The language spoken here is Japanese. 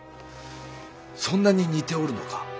そんなに似ておるのか？